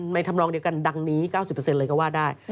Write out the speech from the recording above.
ทำลองเดียวกันดังนี้๙๐เลยก็ว่าได้